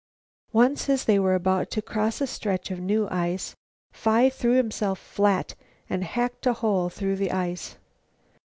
Once, as they were about to cross a stretch of new ice, Phi threw himself flat and hacked a hole through the ice.